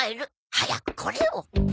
早くこれを！